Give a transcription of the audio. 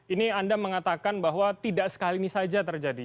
ini anda mengatakan bahwa tidak sekali ini saja terjadi